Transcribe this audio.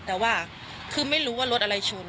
แต่ว่าคือไม่รู้ว่ารถอะไรชน